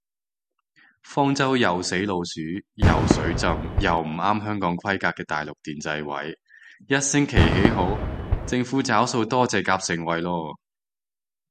方艙又死老鼠又水浸又唔啱香港規格嘅大陸電掣位，一星期起好，政府找數多謝夾盛惠